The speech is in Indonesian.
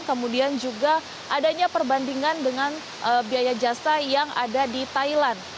kemudian juga adanya perbandingan dengan biaya jasa yang ada di thailand